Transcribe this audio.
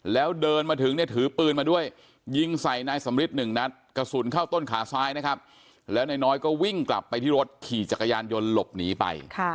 แล้วเดินมาถึงเนี่ยถือปืนมาด้วยยิงใส่นายสำริทหนึ่งนัดกระสุนเข้าต้นขาซ้ายนะครับแล้วนายน้อยก็วิ่งกลับไปที่รถขี่จักรยานยนต์หลบหนีไป